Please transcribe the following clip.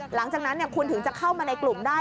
หลังจากนั้นคุณถึงจะเข้ามาในกลุ่มได้